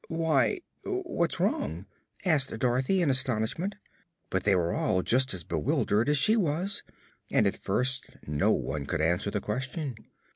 "Why, what's wrong?" asked Dorothy, in astonishment; but they were all just as bewildered as she was and at first no one could answer the question.